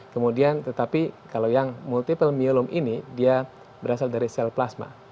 kemudian tetapi kalau yang multiple myelom ini dia berasal dari sel plasma